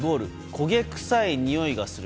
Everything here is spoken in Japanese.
焦げ臭いにおいがする。